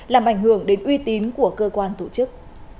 làm ảnh hưởng đến uy tín của cơ quan tổ chức